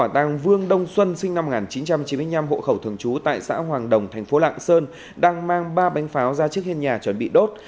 tại xã hoàng đồng thành phố lạng sơn đang mang ba bánh pháo ra trước hiên nhà chuẩn bị đốt